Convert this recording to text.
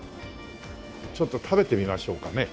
ちょっと食べてみましょうかね。